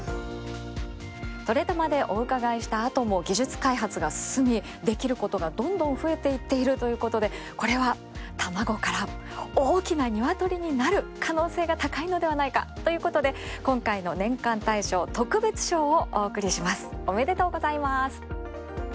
「トレたま」でお伺いしたあとも技術開発が進み、できることがどんどん増えていっているということでこれは、たまごから大きな鶏になる可能性が高いのではないかということで、今回の年間大賞特別賞をお贈りします。